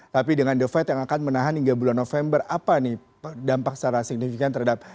tapi dengan the fed yang akan menahan hingga bulan november apa nih dampak secara signifikan terhadap